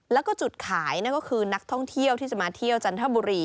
แล้วก็จุดขายนั่นก็คือนักท่องเที่ยวที่จะมาเที่ยวจันทบุรี